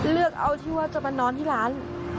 เลือกเอาที่ว่าจะมานอนที่ร้าน